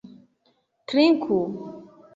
trinku